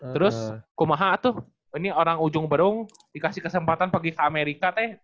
terus kumaha tuh ini orang ujung berung dikasih kesempatan pergi ke amerika teh